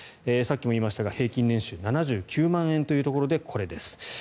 さっきも言いましたが平均年収７９万円というところでこれです。